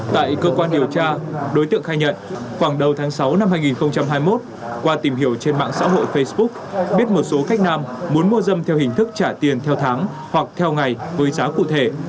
tại cơ quan điều tra đối tượng khai nhận khoảng đầu tháng sáu năm hai nghìn hai mươi một qua tìm hiểu trên mạng xã hội facebook biết một số khách nam muốn mua dâm theo hình thức trả tiền theo tháng hoặc theo ngày với giá cụ thể